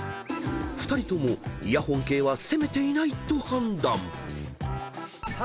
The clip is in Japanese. ［２人ともイヤホン系は攻めていないと判断］